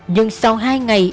nhưng sau hai ngày